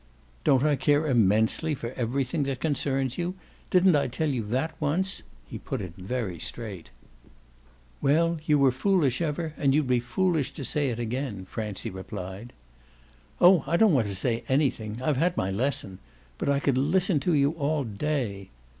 "Don't I care immensely for everything that concerns you? Didn't I tell you that once?" he put it very straight. "Well, you were foolish ever, and you'd be foolish to say it again," Francie replied. "Oh I don't want to say anything, I've had my lesson. But I could listen to you all day."